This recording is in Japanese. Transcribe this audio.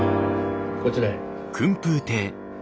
こちらへ。